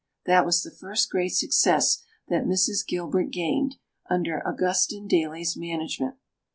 That was the first great success that Mrs. Gilbert gained, under Augustin Daly's management.